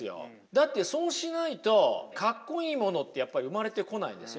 だってそうしないとかっこいいものってやっぱり生まれてこないですよね。